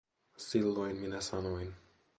Silloin minä sanoin.